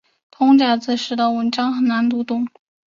通假字使得文章很难读懂。